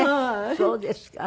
そうですか。